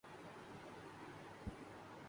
اربابِ اقتدارکی دینی حمیت کو یہ گوارا نہیں